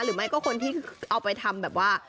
หรือไม่ก็คนที่เอาไปทำแบบว่า